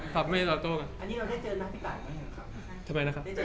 ทำไมนะครับ